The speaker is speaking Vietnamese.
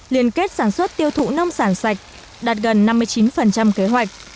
liên kết sản xuất tiêu thụ nông sản sạch đạt gần năm mươi chín kế hoạch